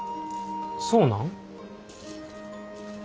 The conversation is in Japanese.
そうなん？